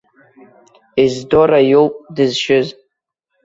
Ездора иоуп дызшьыз.